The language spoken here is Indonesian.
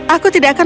aku tidak akan